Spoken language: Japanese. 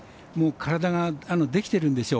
体ができているんでしょう。